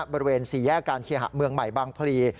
บริเวณ๔แยกการเคหะเมืองใหม่บางพลี